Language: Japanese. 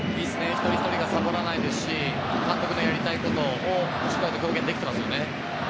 一人ひとりがサボらないし監督のやりたいことをしっかり表現できてますね。